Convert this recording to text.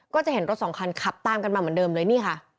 ก็จะเห็นรถสองคันขับตามกันมาเหมือนเดิมเลยนี่ค่ะ